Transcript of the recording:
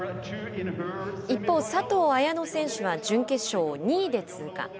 一方、佐藤綾乃選手は準決勝２位で通過。